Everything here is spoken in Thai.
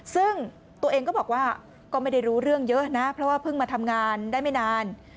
ซึ่งตัวเองก็บอกว่าก็ไม่ได้รู้เรื่องเยอะนะเพราะว่าเพิ่งมาทำงานได้ไม่นาน